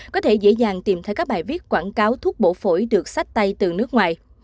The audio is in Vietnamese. có thể dễ dàng tìm thấy các bài viết quảng cáo thuốc bổ phổi được sách tay từ nước ngoài